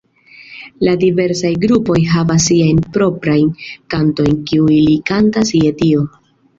La diversaj grupoj havas siajn proprajn kantojn, kiuj ili kantas je tio.